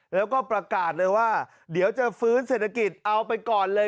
แล้วก็ประกาศเลยว่าเดี๋ยวจะฟื้นเศรษฐกิจเอาไปก่อนเลย